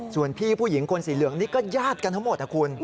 ส่วนพี่ผู้หญิงคนสีเหลืองนี่ก็ญาติกันทั้งหมดนะคุณ